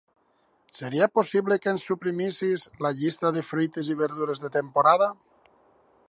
Seria possible que ens suprimissis la llista de fruites i verdures de temporada?